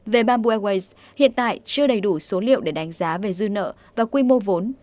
về bamboo airways hiện tại chưa đầy đủ số liệu để đánh giá về dư nợ và quy mô vốn